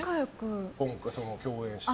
共演して。